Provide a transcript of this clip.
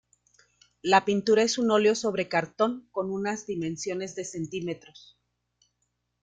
La pintura es un oleo sobre cartón con unas dimensiones de centímetros.